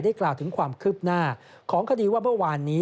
กล่าวถึงความคืบหน้าของคดีว่าเมื่อวานนี้